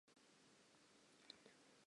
Ali Ersan Duru is currently single.